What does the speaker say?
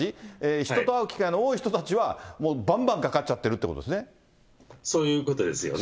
人と会う機会の多い人たちは、もうばんばんかかっちゃってるといそういうことですよね。